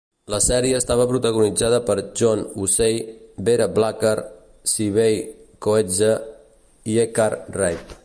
La sèrie estava protagonitzada per John Hussey, Vera Blacker, Sybel Coetzee i Eckard Rabe.